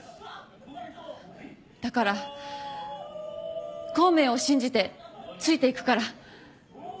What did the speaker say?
だから孔明を信じてついていくから。